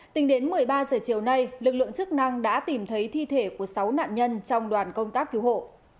tính đến một mươi ba giờ chiều nay lực lượng chức năng đã tìm thấy thi thể của sáu nạn nhân trong đoàn công tác cứu hộ